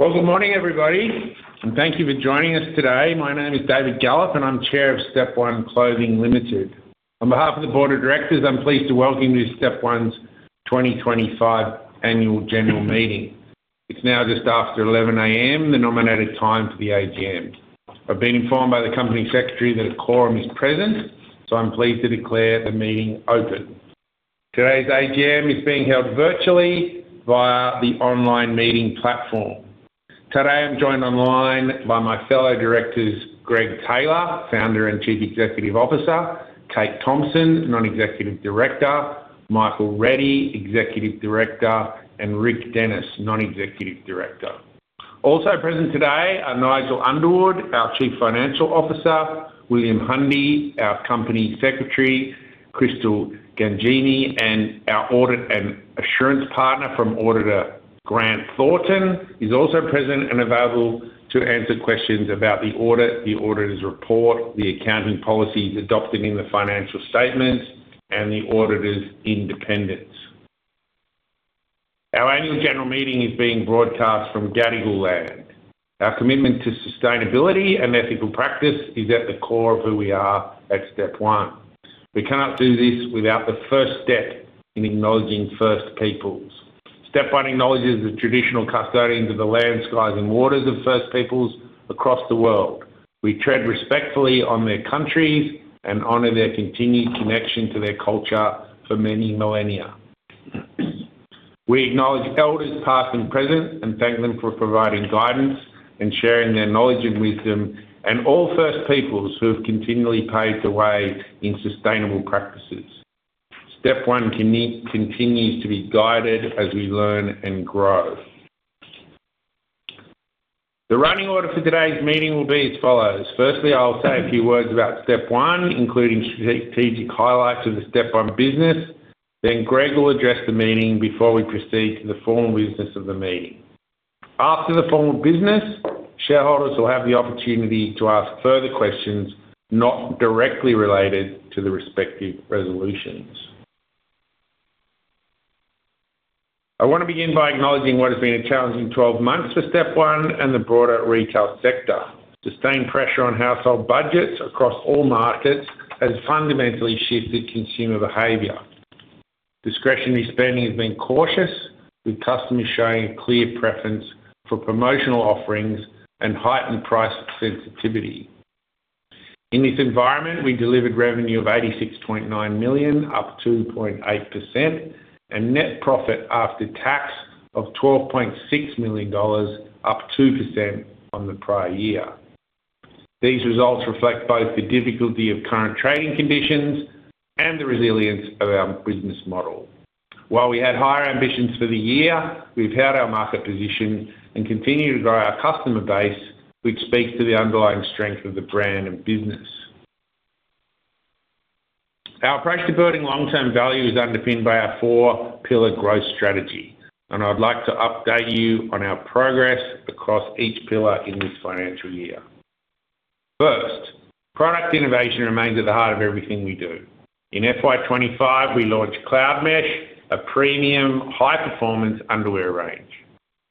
Good morning, everybody, and thank you for joining us today. My name is David Gallop, and I'm Chair of Step One Clothing Limited. On behalf of the Board of Directors, I'm pleased to welcome you to Step One's 2025 Annual General Meeting. It's now just after 11:00 A.M., the nominated time for the AGM. I've been informed by the Company Secretary that a quorum is present, so I'm pleased to declare the meeting open. Today's AGM is being held virtually via the online meeting platform. Today, I'm joined online by my fellow directors, Greg Taylor, Founder and Chief Executive Officer; Kate Thompson, Non-Executive Director; Michael Reddie, Executive Director; and Rick Dennis, Non-Executive Director. Also present today are Nigel Underwood, our Chief Financial Officer; William Hundy, our Company Secretary; Crystal Gangemi, our Audit and Assurance Partner from Grant Thornton is also present and available to answer questions about the audit, the auditor's report, the accounting policies adopted in the financial statements, and the auditor's independence. Our Annual General Meeting is being broadcast from Gadigal land. Our commitment to sustainability and ethical practice is at the core of who we are at Step One. We cannot do this without the first step in acknowledging First Peoples. Step One acknowledges the traditional custodians of the lands, skies, and waters of First Peoples across the world. We tread respectfully on their countries and honor their continued connection to their culture for many millennia. We acknowledge elders past and present and thank them for providing guidance and sharing their knowledge and wisdom, and all First Peoples who have continually paved the way in sustainable practices. Step One continues to be guided as we learn and grow. The running order for today's meeting will be as follows. Firstly, I'll say a few words about Step One, including strategic highlights of the Step One business. Then Greg will address the meeting before we proceed to the formal business of the meeting. After the formal business, shareholders will have the opportunity to ask further questions not directly related to the respective resolutions. I want to begin by acknowledging what has been a challenging 12 months for Step One and the broader retail sector. Sustained pressure on household budgets across all markets has fundamentally shifted consumer behavior. Discretionary spending has been cautious, with customers showing a clear preference for promotional offerings and heightened price sensitivity. In this environment, we delivered revenue of 86.9 million, up 2.8%, and net profit after tax of 12.6 million dollars, up 2% on the prior year. These results reflect both the difficulty of current trading conditions and the resilience of our business model. While we had higher ambitions for the year, we've held our market position and continue to grow our customer base, which speaks to the underlying strength of the brand and business. Our approach to building long-term value is underpinned by our four-pillar growth strategy, and I'd like to update you on our progress across each pillar in this financial year. First, product innovation remains at the heart of everything we do. In FY25, we launched Cloud Mesh, a premium, high-performance underwear range.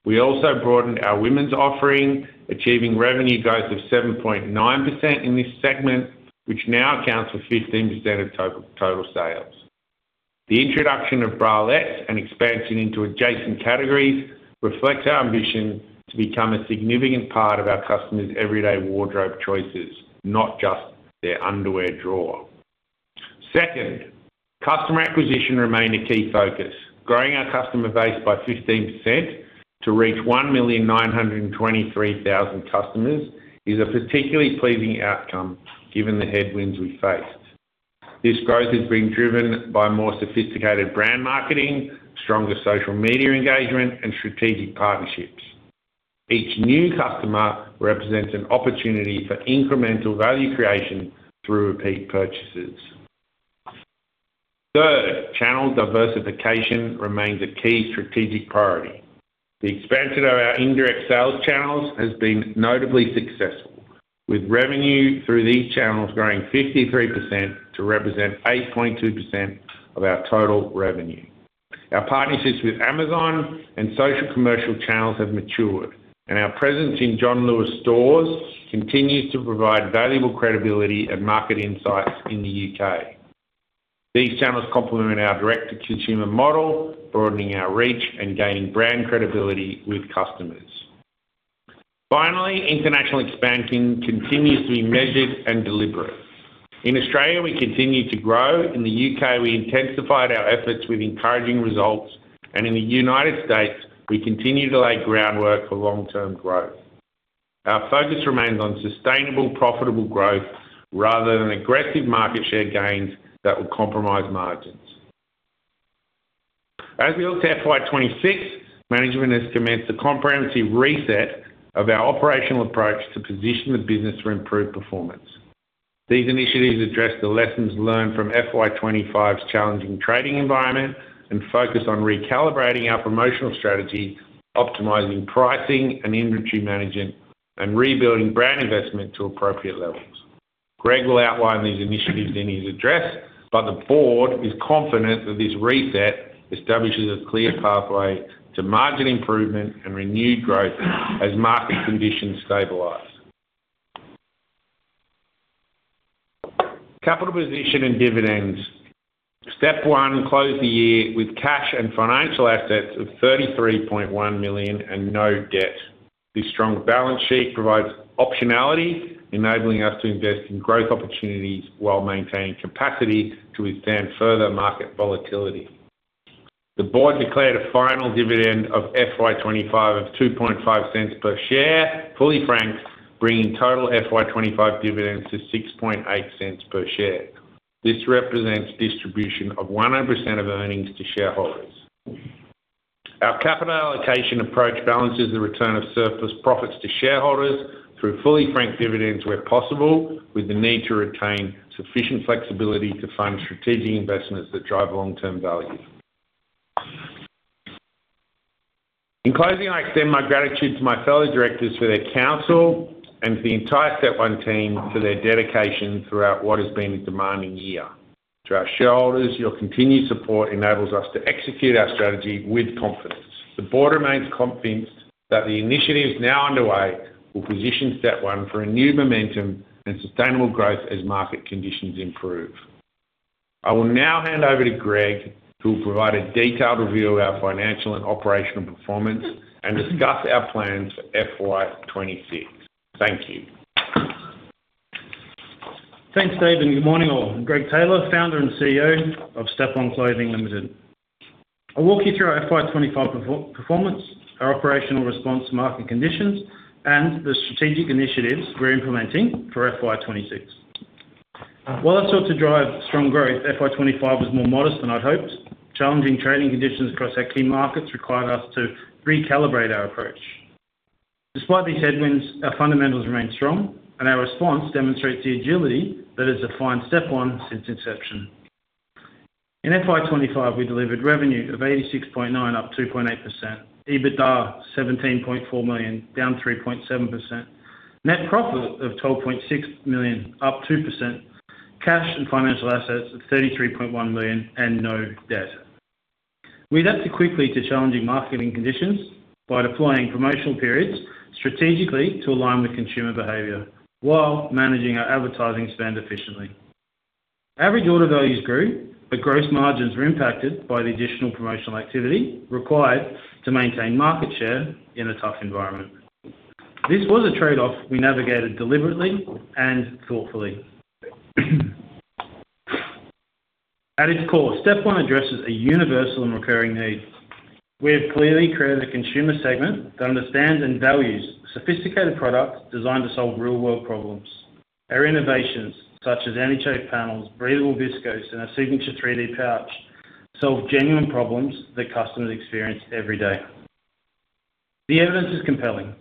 We also broadened our women's offering, achieving revenue growth of 7.9% in this segment, which now accounts for 15% of total sales. The introduction of bralettes and expansion into adjacent categories reflects our ambition to become a significant part of our customers' everyday wardrobe choices, not just their underwear drawer. Second, customer acquisition remained a key focus. Growing our customer base by 15% to reach 1,923,000 customers is a particularly pleasing outcome given the headwinds we faced. This growth has been driven by more sophisticated brand marketing, stronger social media engagement, and strategic partnerships. Each new customer represents an opportunity for incremental value creation through repeat purchases. Third, channel diversification remains a key strategic priority. The expansion of our indirect sales channels has been notably successful, with revenue through these channels growing 53% to represent 8.2% of our total revenue. Our partnerships with Amazon and social commercial channels have matured, and our presence in John Lewis stores continues to provide valuable credibility and market insights in the U.K. These channels complement our direct-to-consumer model, broadening our reach and gaining brand credibility with customers. Finally, international expansion continues to be measured and deliberate. In Australia, we continue to grow. In the U.K., we intensified our efforts with encouraging results, and in the United States, we continue to lay groundwork for long-term growth. Our focus remains on sustainable, profitable growth rather than aggressive market share gains that will compromise margins. As we look to FY26, management has commenced a comprehensive reset of our operational approach to position the business for improved performance. These initiatives address the lessons learned from FY25's challenging trading environment and focus on recalibrating our promotional strategy, optimizing pricing and inventory management, and rebuilding brand investment to appropriate levels. Greg will outline these initiatives in his address, but the Board is confident that this reset establishes a clear pathway to margin improvement and renewed growth as market conditions stabilize. Capital position and dividends. Step One closed the year with cash and financial assets of 33.1 million and no debt. This strong balance sheet provides optionality, enabling us to invest in growth opportunities while maintaining capacity to withstand further market volatility. The Board declared a final dividend for FY25 of 2.5 per share, fully franked, bringing total FY25 dividends to 6.8 per share. This represents distribution of 100% of earnings to shareholders. Our capital allocation approach balances the return of surplus profits to shareholders through fully franked dividends where possible, with the need to retain sufficient flexibility to fund strategic investments that drive long-term value. In closing, I extend my gratitude to my fellow directors for their counsel and to the entire Step One team for their dedication throughout what has been a demanding year. To our shareholders, your continued support enables us to execute our strategy with confidence. The Board remains convinced that the initiatives now underway will position Step One for renewed momentum and sustainable growth as market conditions improve. I will now hand over to Greg, who will provide a detailed review of our financial and operational performance and discuss our plans for FY26. Thank you. Thanks, David. Good morning, all. I'm Greg Taylor, Founder and CEO of Step One Clothing Limited. I'll walk you through our FY25 performance, our operational response to market conditions, and the strategic initiatives we're implementing for FY26. While I sought to drive strong growth, FY25 was more modest than I'd hoped. Challenging trading conditions across our key markets required us to recalibrate our approach. Despite these headwinds, our fundamentals remained strong, and our response demonstrates the agility that has defined Step One since inception. In FY25, we delivered revenue of 86.9 million, up 2.8%, EBITDA of 17.4 million, down 3.7%, net profit of 12.6 million, up 2%, cash and financial assets of 33.1 million, and no debt. We adapted quickly to challenging marketing conditions by deploying promotional periods strategically to align with consumer behavior while managing our advertising spend efficiently. Average order values grew, but gross margins were impacted by the additional promotional activity required to maintain market share in a tough environment. This was a trade-off we navigated deliberately and thoughtfully. At its core, Step One addresses a universal and recurring need. We have clearly created a consumer segment that understands and values sophisticated products designed to solve real-world problems. Our innovations, such as anti-chafe panels, breathable viscose, and our signature 3D pouch, solve genuine problems that customers experience every day. The evidence is compelling.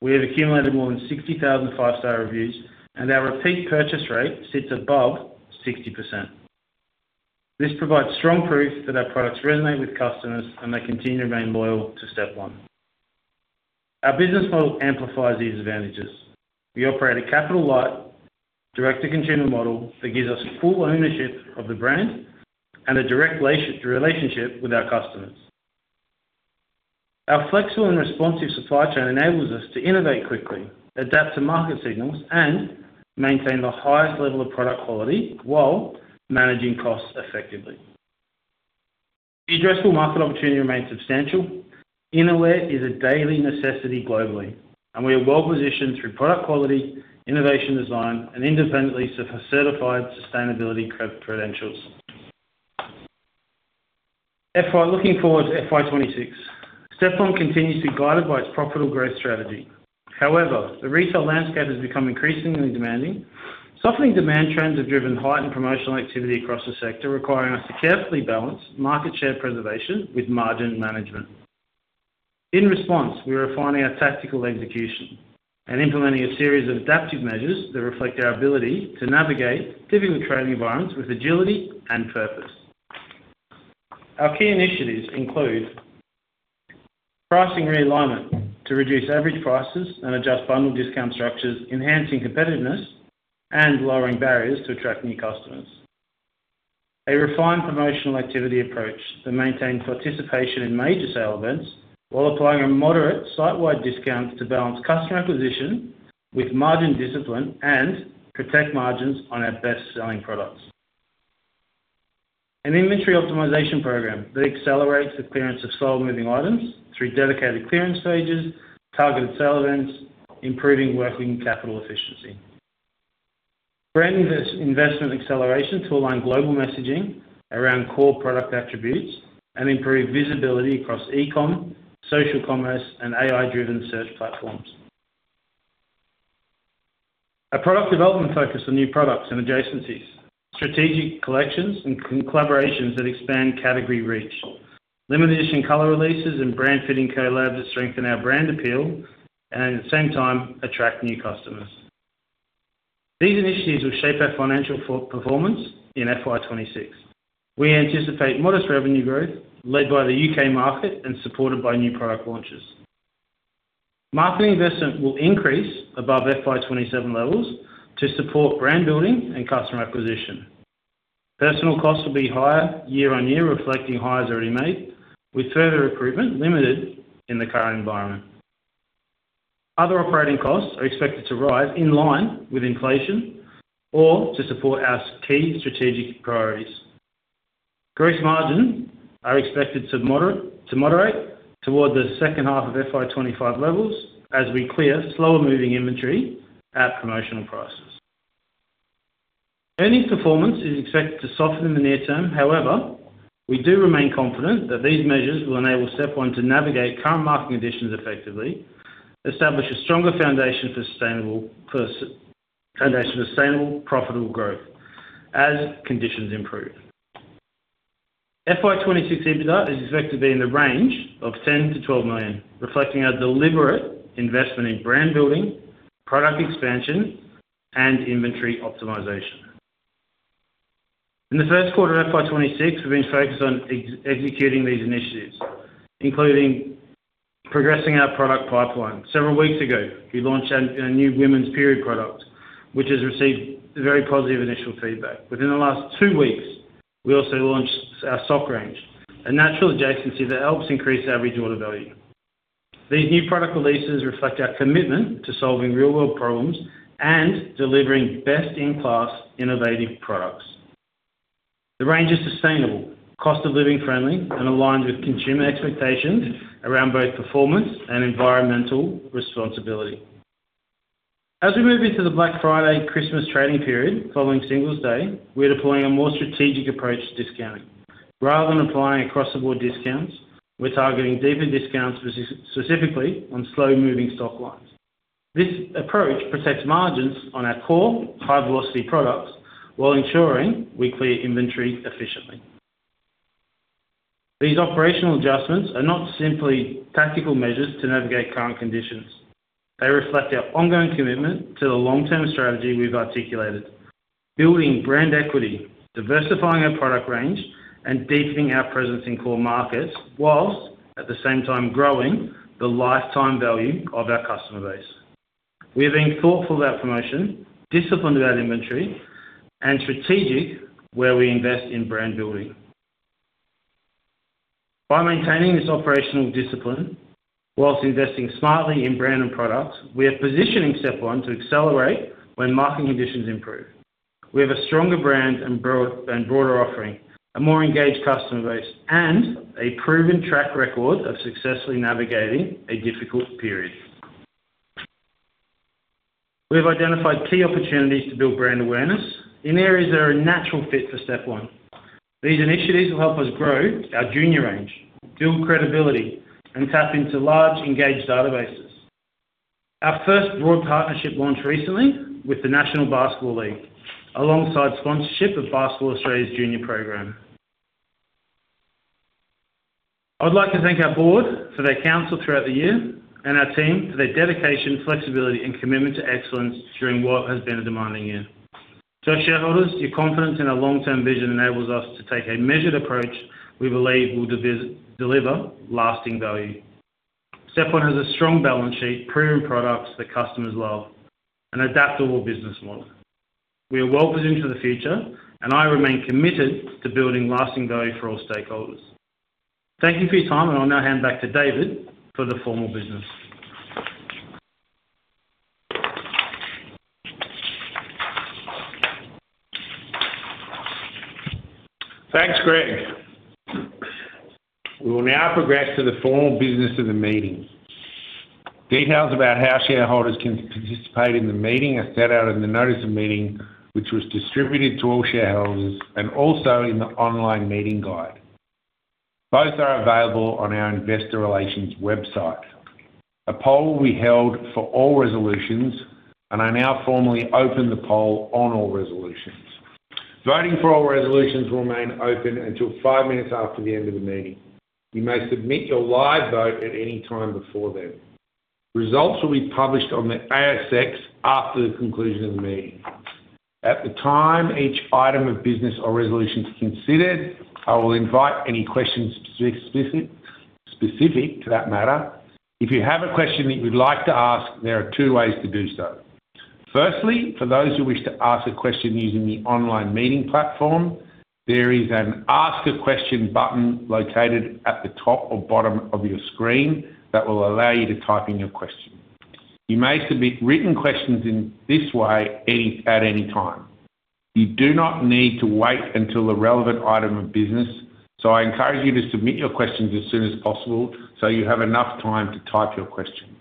We have accumulated more than 60,000 five-star reviews, and our repeat purchase rate sits above 60%. This provides strong proof that our products resonate with customers and they continue to remain loyal to Step One. Our business model amplifies these advantages. We operate a capital-light, direct-to-consumer model that gives us full ownership of the brand and a direct relationship with our customers. Our flexible and responsive supply chain enables us to innovate quickly, adapt to market signals, and maintain the highest level of product quality while managing costs effectively. The addressable market opportunity remains substantial. Innerwear is a daily necessity globally, and we are well-positioned through product quality, innovation design, and independently certified sustainability credentials. Looking forward to FY26, Step One continues to be guided by its profitable growth strategy. However, the retail landscape has become increasingly demanding. Softening demand trends have driven heightened promotional activity across the sector, requiring us to carefully balance market share preservation with margin management. In response, we are refining our tactical execution and implementing a series of adaptive measures that reflect our ability to navigate difficult trading environments with agility and purpose. Our key initiatives include: pricing realignment to reduce average prices and adjust bundle discount structures, enhancing competitiveness and lowering barriers to attract new customers; a refined promotional activity approach that maintains participation in major sale events while applying a moderate site-wide discount to balance customer acquisition with margin discipline and protect margins on our best-selling products; an inventory optimization program that accelerates the clearance of slow-moving items through dedicated clearance stages, targeted sale events, improving working capital efficiency; brand investment acceleration to align global messaging around core product attributes and improve visibility across e-com, social commerce, and AI-driven search platforms; a product development focus on new products and adjacencies, strategic collections and collaborations that expand category reach, limited-edition color releases and brand-fitting collabs that strengthen our brand appeal and, at the same time, attract new customers. These initiatives will shape our financial performance in FY26. We anticipate modest revenue growth led by the U.K. market and supported by new product launches. Marketing investment will increase above FY27 levels to support brand building and customer acquisition. Personnel costs will be higher year-on-year, reflecting hires already made, with further recruitment limited in the current environment. Other operating costs are expected to rise in line with inflation or to support our key strategic priorities. Gross margins are expected to moderate toward the second half of FY25 levels as we clear slower-moving inventory at promotional prices. Earnings performance is expected to soften in the near term. However, we do remain confident that these measures will enable Step One to navigate current market conditions effectively, establish a stronger foundation for sustainable profitable growth as conditions improve. FY26 EBITDA is expected to be in the range of 10 million-12 million, reflecting our deliberate investment in brand building, product expansion, and inventory optimization. In the first quarter of FY26, we've been focused on executing these initiatives, including progressing our product pipeline. Several weeks ago, we launched a new women's period product, which has received very positive initial feedback. Within the last two weeks, we also launched our sock range, a natural adjacency that helps increase average order value. These new product releases reflect our commitment to solving real-world problems and delivering best-in-class innovative products. The range is sustainable, cost-of-living friendly, and aligned with consumer expectations around both performance and environmental responsibility. As we move into the Black Friday Christmas trading period following Singles' Day, we're deploying a more strategic approach to discounting. Rather than applying across-the-board discounts, we're targeting deeper discounts specifically on slow-moving stock lines. This approach protects margins on our core high-velocity products while ensuring we clear inventory efficiently. These operational adjustments are not simply tactical measures to navigate current conditions. They reflect our ongoing commitment to the long-term strategy we've articulated: building brand equity, diversifying our product range, and deepening our presence in core markets whilst, at the same time, growing the lifetime value of our customer base. We have been thoughtful about promotion, disciplined about inventory, and strategic where we invest in brand building. By maintaining this operational discipline whilst investing smartly in brand and products, we are positioning Step One to accelerate when market conditions improve. We have a stronger brand and broader offering, a more engaged customer base, and a proven track record of successfully navigating a difficult period. We have identified key opportunities to build brand awareness in areas that are a natural fit for Step One. These initiatives will help us grow our junior range, build credibility, and tap into large, engaged databases. Our first broad partnership launched recently with the National Basketball League, alongside sponsorship of Basketball Australia's junior program. I'd like to thank our Board for their counsel throughout the year and our team for their dedication, flexibility, and commitment to excellence during what has been a demanding year. To our shareholders, your confidence in our long-term vision enables us to take a measured approach we believe will deliver lasting value. Step One has a strong balance sheet, proven products that customers love, and an adaptable business model. We are well-positioned for the future, and I remain committed to building lasting value for all stakeholders. Thank you for your time, and I'll now hand back to David for the formal business. Thanks, Greg. We will now progress to the formal business of the meeting. Details about how shareholders can participate in the meeting are set out in the notice of meeting, which was distributed to all shareholders and also in the online meeting guide. Both are available on our investor relations website. A poll will be held for all resolutions, and I now formally open the poll on all resolutions. Voting for all resolutions will remain open until five minutes after the end of the meeting. You may submit your live vote at any time before then. Results will be published on the ASX after the conclusion of the meeting. At the time each item of business or resolution is considered, I will invite any questions specific to that matter. If you have a question that you'd like to ask, there are two ways to do so. Firstly, for those who wish to ask a question using the online meeting platform, there is an Ask a Question button located at the top or bottom of your screen that will allow you to type in your question. You may submit written questions in this way at any time. You do not need to wait until the relevant item of business, so I encourage you to submit your questions as soon as possible so you have enough time to type your question.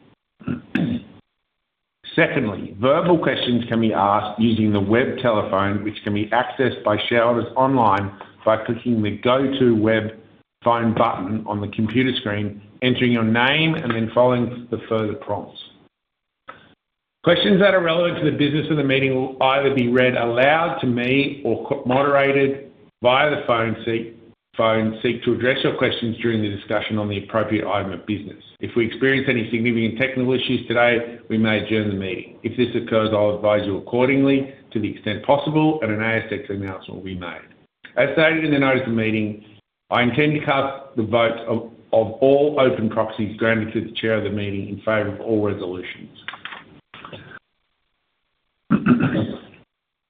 Secondly, verbal questions can be asked using the web telephone, which can be accessed by shareholders online by clicking the Go to Web phone button on the computer screen, entering your name, and then following the further prompts. Questions that are relevant to the business of the meeting will either be read aloud to me or moderated via the phone seat to address your questions during the discussion on the appropriate item of business. If we experience any significant technical issues today, we may adjourn the meeting. If this occurs, I'll advise you accordingly to the extent possible, and an ASX announcement will be made. As stated in the Notice of Meeting, I intend to cast the votes of all open proxies granted to the Chair of the meeting in favor of all resolutions.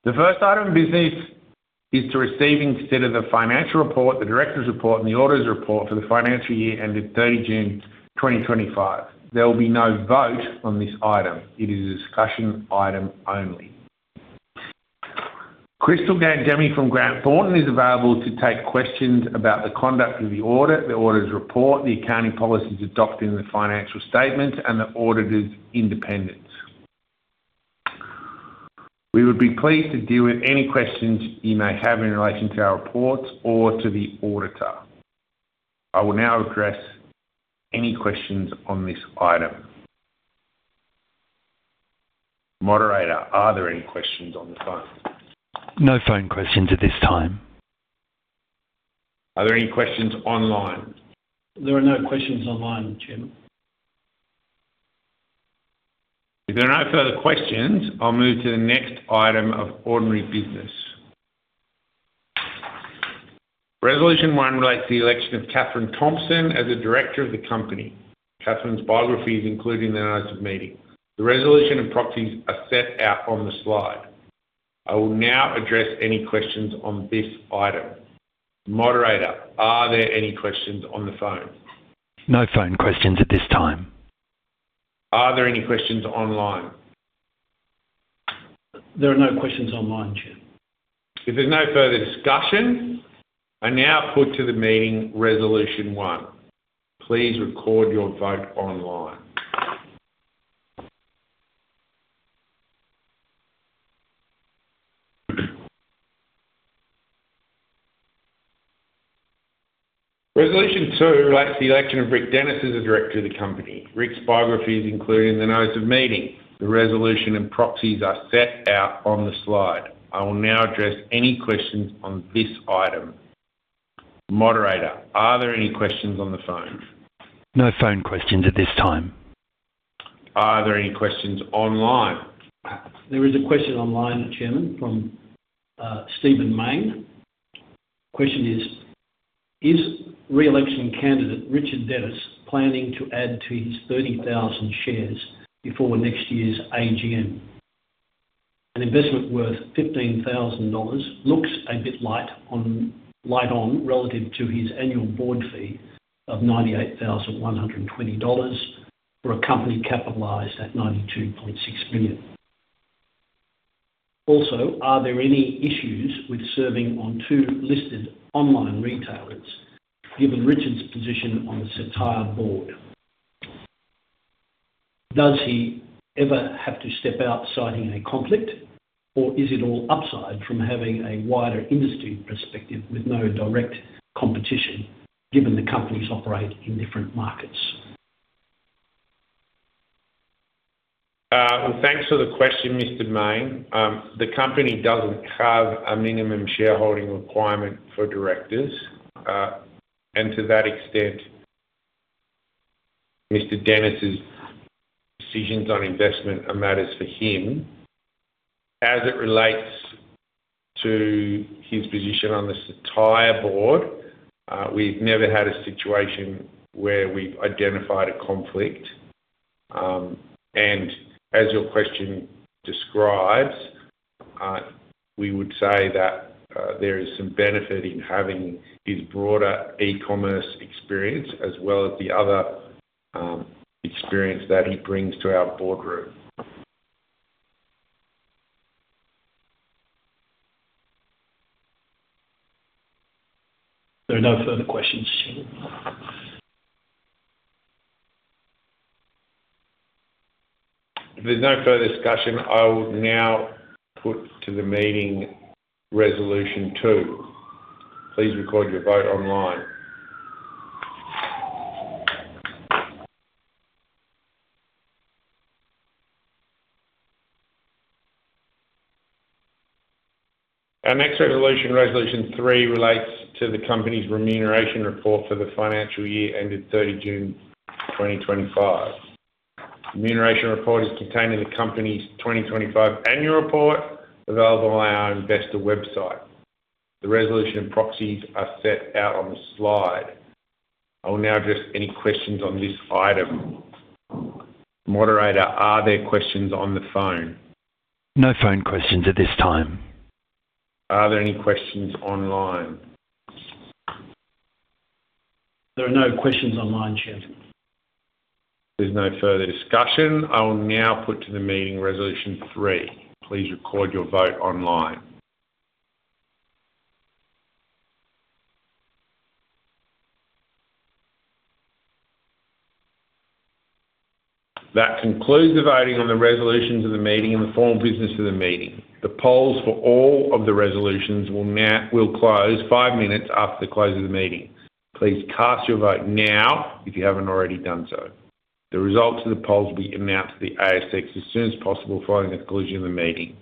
The first item of business is to receive and consider the financial report, the director's report, and the auditor's report for the financial year ended 30 June 2025. There will be no vote on this item. It is a discussion item only. Crystal Gangemi from Grant Thornton is available to take questions about the conduct of the audit, the auditor's report, the accounting policies adopted in the financial statements, and the auditor's independence. We would be pleased to deal with any questions you may have in relation to our reports or to the auditor. I will now address any questions on this item. Moderator, are there any questions on the phone? No phone questions at this time. Are there any questions online? There are no questions online, Chairman. If there are no further questions, I'll move to the next item of ordinary business. Resolution One relates to the election of Catherine Thompson as the director of the company. Catherine's biography is included in the Notice of Meeting. The resolution and proxies are set out on the slide. I will now address any questions on this item. Moderator, are there any questions on the phone? No phone questions at this time. Are there any questions online? There are no questions online, Chairman. If there's no further discussion, I now put to the meeting Resolution One. Please record your vote online. Resolution Two relates to the election of Rick Dennis as the director of the company. Rick's biography is included in the Notice of Meeting. The resolution and proxies are set out on the slide. I will now address any questions on this item. Moderator, are there any questions on the phone? No phone questions at this time. Are there any questions online? There is a question online, Chairman, from Stephen Mayne. The question is, is re-election candidate Richard Dennis planning to add to his 30,000 shares before next year's AGM? An investment worth 15,000 dollars looks a bit light on relative to his annual board fee of 98,120 dollars for a company capitalized at 92.6 million. Also, are there any issues with serving on two listed online retailers given Richard's position on the Cettire Board? Does he ever have to step out citing a conflict, or is it all upside from having a wider industry perspective with no direct competition given the companies operate in different markets? Thanks for the question, Mr. Mayne. The company doesn't have a minimum shareholding requirement for directors, and to that extent, Mr. Dennis' decisions on investment are matters for him. As it relates to his position on the Cettire Board, we've never had a situation where we've identified a conflict. As your question describes, we would say that there is some benefit in having his broader e-commerce experience as well as the other experience that he brings to our boardroom. There are no further questions, Chairman. If there's no further discussion, I will now put to the meeting Resolution Two. Please record your vote online. Our next resolution, Resolution Three, relates to the company's remuneration report for the financial year ended 30 June 2025. The remuneration report is contained in the company's 2025 annual report available on our investor website. The resolution and proxies are set out on the slide. I will now address any questions on this item. Moderator, are there questions on the phone? No phone questions at this time. Are there any questions online? There are no questions online, Chairman. If there's no further discussion, I will now put to the meeting Resolution Three. Please record your vote online. That concludes the voting on the resolutions of the meeting and the formal business of the meeting. The polls for all of the resolutions will close five minutes after the close of the meeting. Please cast your vote now if you haven't already done so. The results of the polls will be announced to the ASX as soon as possible following the conclusion of the meeting.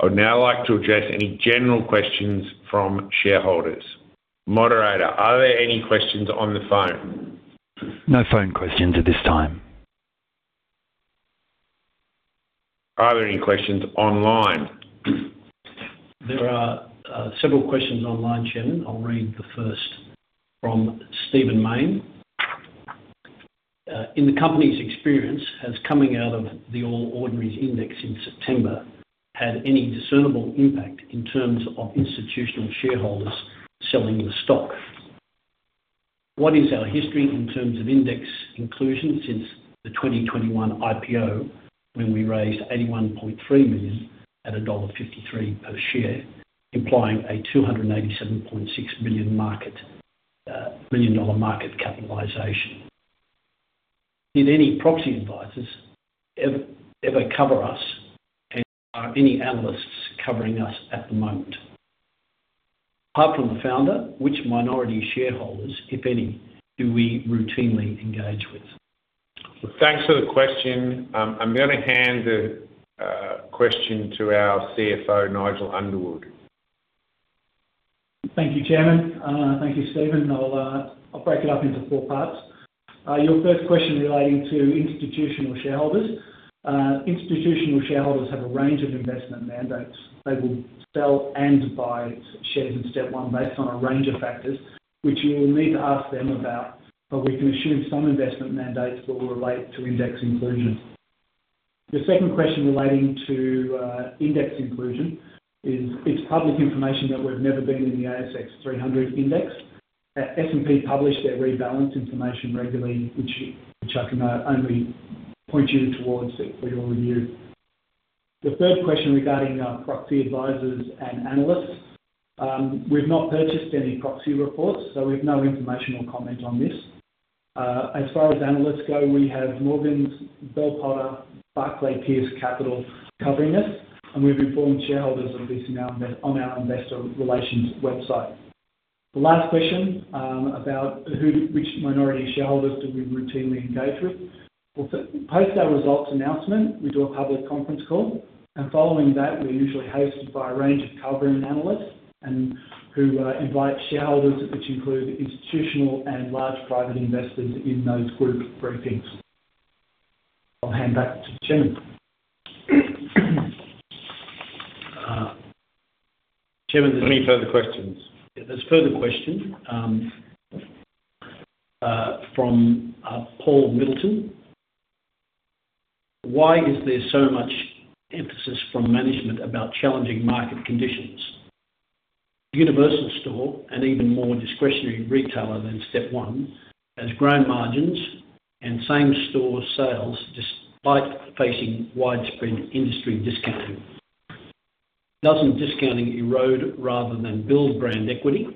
I would now like to address any general questions from shareholders. Moderator, are there any questions on the phone? No phone questions at this time. Are there any questions online? There are several questions online, Chairman. I'll read the first from Stephen Mayne. In the company's experience, has coming out of the All Ordinaries Index in September had any discernible impact in terms of institutional shareholders selling the stock? What is our history in terms of index inclusion since the 2021 IPO when we raised 81.3 million at dollar 1.53 per share, implying a 287.6 million market capitalization? Did any proxy advisors ever cover us, and are any analysts covering us at the moment? Apart from the founder, which minority shareholders, if any, do we routinely engage with? Thanks for the question. I'm going to hand the question to our CFO, Nigel Underwood. Thank you, Chairman. Thank you, Stephen. I'll break it up into four parts. Your first question relating to institutional shareholders. Institutional shareholders have a range of investment mandates. They will sell and buy shares in Step One based on a range of factors, which you will need to ask them about, but we can assume some investment mandates will relate to index inclusion. Your second question relating to index inclusion is, it's public information that we've never been in the ASX 300 index. S&P publish their rebalance information regularly, which I can only point you towards for your review. The third question regarding proxy advisors and analysts. We've not purchased any proxy reports, so we have no information or comment on this. As far as analysts go, we have Morgans, Bell Potter, Barclay Pearce Capital covering this, and we've informed shareholders of this on our investor relations website. The last question about which minority shareholders do we routinely engage with. Post our results announcement, we do a public conference call, and following that, we're usually hosted by a range of sell-side analysts who invite shareholders, which include institutional and large private investors in those group briefings. I'll hand back to Chairman. Chairman. Any further questions? There's further questions from Paul Middleton. Why is there so much emphasis from management about challenging market conditions? Universal Store, an even more discretionary retailer than Step One, has grown margins and same-store sales despite facing widespread industry discounting. Doesn't discounting erode rather than build brand equity?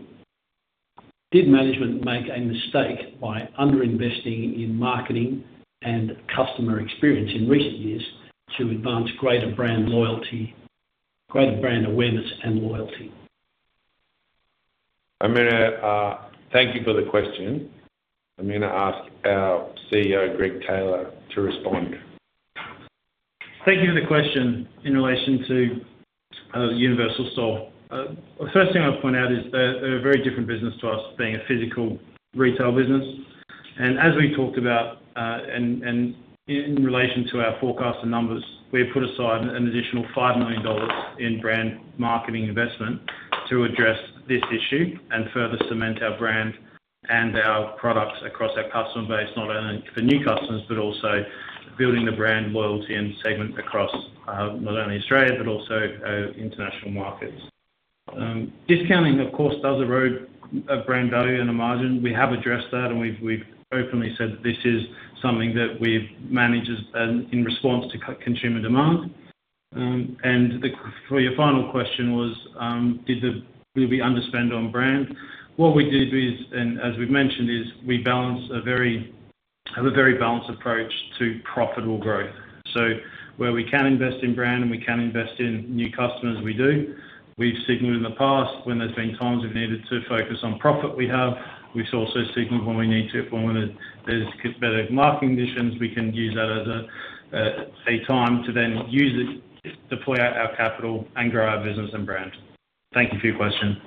Did management make a mistake by underinvesting in marketing and customer experience in recent years to advance greater brand awareness and loyalty? I'm going to thank you for the question. I'm going to ask our CEO, Greg Taylor, to respond. Thank you for the question in relation to Universal Store. The first thing I'll point out is that they're a very different business to us being a physical retail business. As we talked about and in relation to our forecast and numbers, we have put aside an additional 5 million dollars in brand marketing investment to address this issue and further cement our brand and our products across our customer base, not only for new customers but also building the brand loyalty and segment across not only Australia but also international markets. Discounting, of course, does erode brand value and the margin. We have addressed that, and we've openly said this is something that we manage in response to consumer demand. For your final question, was will we underspend on brand? What we did is, and as we've mentioned, we have a very balanced approach to profitable growth. Where we can invest in brand and we can invest in new customers, we do. We've signaled in the past when there's been times we've needed to focus on profit we have. We've also signaled when we need to, when there's better marketing conditions, we can use that as a time to then deploy our capital and grow our business and brand. Thank you for your question.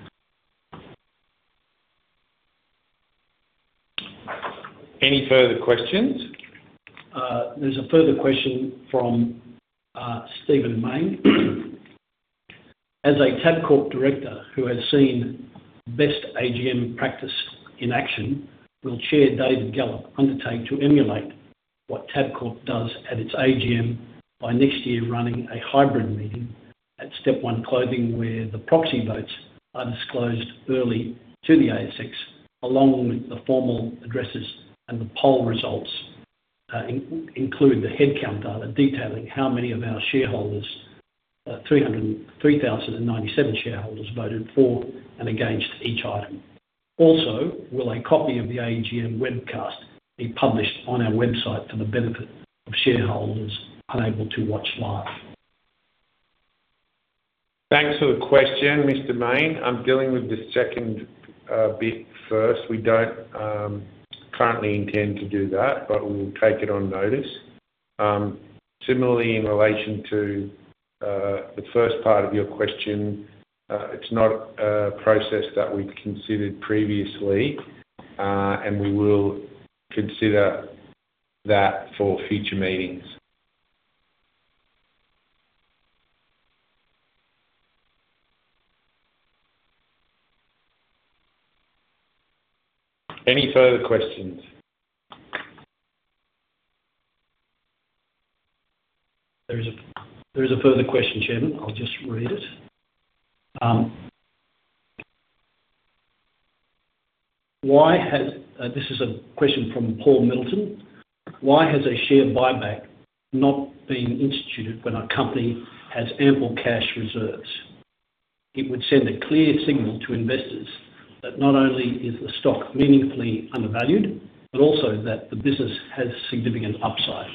Any further questions? There's a further question from Stephen Mayne. As a Tabcorp director who has seen best AGM practice in action, will Chair David Gallop undertake to emulate what Tabcorp does at its AGM by next year running a hybrid meeting at Step One Clothing where the proxy votes are disclosed early to the ASX along with the formal addresses and the poll results including the headcount data detailing how many of our shareholders, 3,097 shareholders, voted for and against each item. Also, will a copy of the AGM webcast be published on our website for the benefit of shareholders unable to watch live? Thanks for the question, Mr. Mayne. I'm dealing with the second bit first. We don't currently intend to do that, but we'll take it on notice. Similarly, in relation to the first part of your question, it's not a process that we've considered previously, and we will consider that for future meetings. Any further questions? There is a further question, Chairman. I'll just read it. This is a question from Paul Middleton. Why has a share buyback not been instituted when a company has ample cash reserves? It would send a clear signal to investors that not only is the stock meaningfully undervalued but also that the business has significant upside.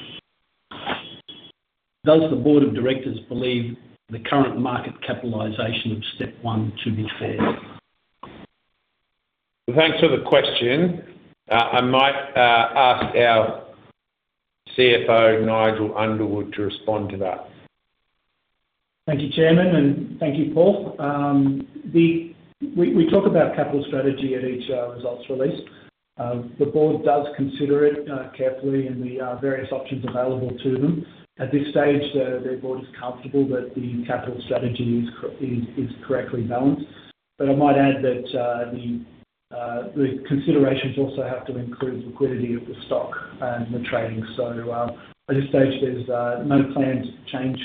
Does the Board of Directors believe the current market capitalization of Step One to be fair? Thanks for the question. I might ask our CFO, Nigel Underwood, to respond to that. Thank you, Chairman, and thank you, Paul. We talk about capital strategy at each results release. The Board does consider it carefully and the various options available to them. At this stage, the Board is comfortable that the capital strategy is correctly balanced. I might add that the considerations also have to include liquidity of the stock and the trading. At this stage, there's no plan to change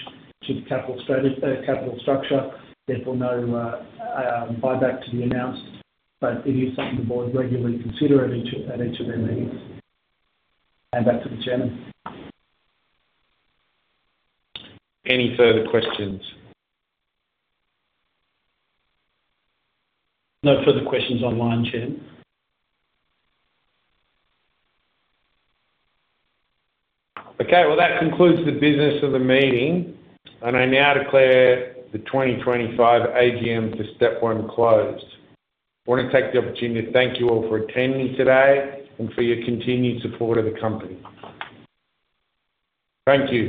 to the capital structure. Therefore, no buyback to be announced. It is something the Board regularly considers at each of their meetings. Back to the Chairman. Any further questions? No further questions online, Chairman. Okay. That concludes the business of the meeting. I now declare the 2025 AGM for Step One closed. I want to take the opportunity to thank you all for attending today and for your continued support of the company. Thank you.